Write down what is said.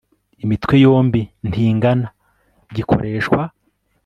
imitwe yombi ntingana, gikoreshwa